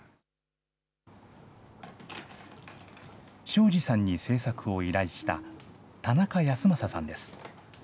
庄司さんに制作を依頼した田中康雅さんです。